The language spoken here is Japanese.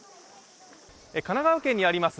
神奈川県にあります